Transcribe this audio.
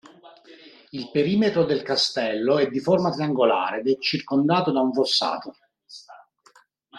Il perimetro del castello è di forma triangolare ed è circondato da un fossato.